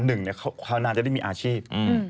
หนึ่งเขานานจะได้มีอาชีพ